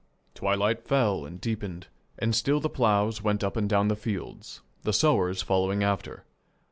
Twilight fell and deepened, and still the ploughs went up and down the fields, the sowers following after.